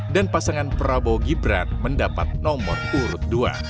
dan pasangan prabowo gibran mendapat nomor urut dua